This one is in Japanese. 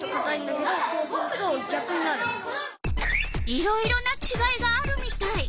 いろいろなちがいがあるみたい。